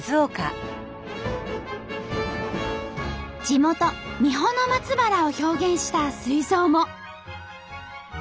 地元三保松原を表現した水槽も。